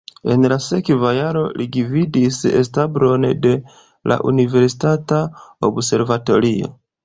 En la sekva jaro li gvidis establon de la universitata observatorio.